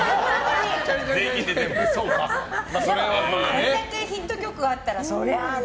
あれだけヒット曲があったらそりゃね。